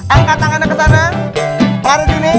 angkat tangannya ke sana